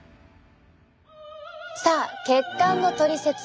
さあ血管のトリセツ。